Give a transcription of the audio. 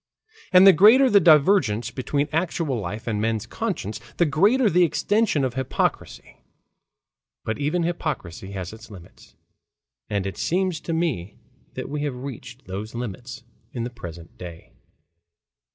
And the greater the divergence between actual life and men's conscience, the greater the extension of hypocrisy. But even hypocrisy has its limits. And it seems to me that we have reached those limits in the present day.